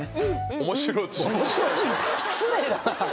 失礼だな！